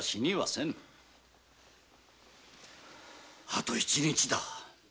あと一日だ